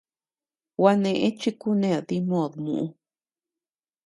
Gua neʼë chi kuned dimod muʼu.